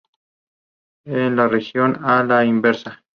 En la región A a la inversa.